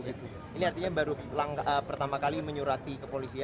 ini artinya baru pertama kali menyurati ke polisian